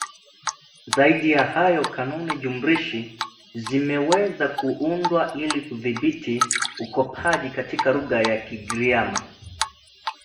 Zaidi ya hayo, kanuni jumulishi zimeweza kuundwa ili kudhibiti ukopaji katika lugha ya Kigiryama